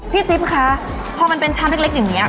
จิ๊บคะพอมันเป็นชามเล็กอย่างนี้